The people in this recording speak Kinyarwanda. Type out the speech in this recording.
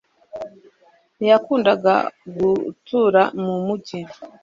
Ntiyakundaga gutura mu mujyi